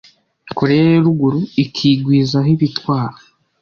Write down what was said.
Koreya ya Ruguru ikigwizaho ibitwaro